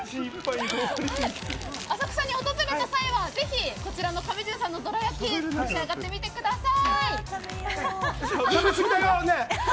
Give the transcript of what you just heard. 浅草に訪れた際はぜひこちらのどら焼き召し上がってください。